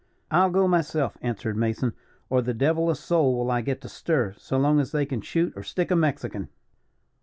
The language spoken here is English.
"I'll go myself," answered Mason, "or the devil a soul will I get to stir, so long as they can shoot or stick a Mexican.